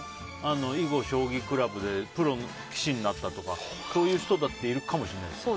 囲碁、将棋クラブでプロ棋士になったとかそういう人だっているかもしれないよね。